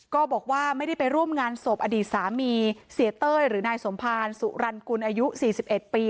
ก็บอกว่าไม่ได้ไปร่วมงานศพอดีตสามีเสียเต้ยหรือนายสมภารสุรรณกุลอายุ๔๑ปี